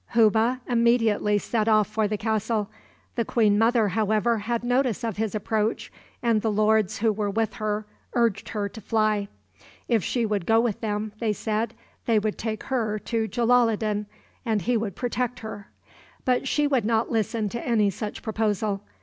Hubbe immediately set off for the castle. The queen mother, however, had notice of his approach, and the lords who were with her urged her to fly. If she would go with them, they said, they would take her to Jalaloddin, and he would protect her. But she would not listen to any such proposal.